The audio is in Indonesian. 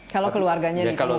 kalau keluarganya dikembangkan